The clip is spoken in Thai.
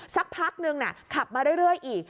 สักพักนึงขับมาเรื่อยอีก